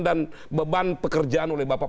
dan beban pekerjaan oleh bapak